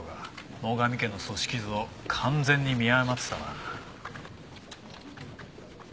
最上家の組織図を完全に見誤ってたな。